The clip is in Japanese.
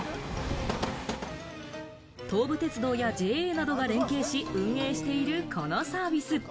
東武鉄道やＪＡなどが連携し、運営しているこのサービス。